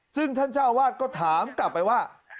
ซึ่งท่านเจ้าวาดก็ถามกลับไปว่า